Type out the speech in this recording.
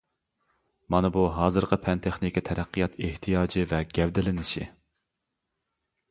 مانا بۇ ھازىرقى پەن-تېخنىكا تەرەققىيات ئېھتىياجى ۋە گەۋدىلىنىشى.